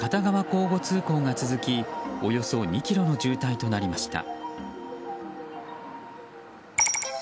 交互通行が続きおよそ２ｋｍの渋滞となりました。